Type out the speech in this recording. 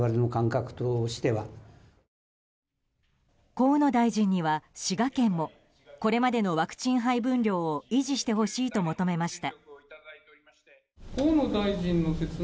河野大臣には滋賀県もこれまでのワクチン配分量を維持してほしいと求めました。